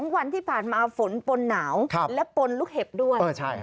วันที่ผ่านมาฝนปนหนาวและปนลูกเห็บด้วย